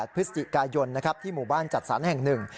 พฤศจิกายนที่หมู่บ้านจัดสรรแห่งหนึ่ง